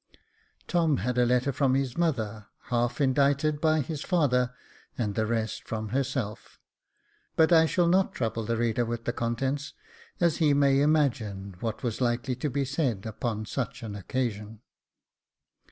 Tom had a letter from his mother, half indited by his father, and the rest from herself ; but I shall not trouble the reader with the contents, as he may imagine what was likely to be said upon such an occasion.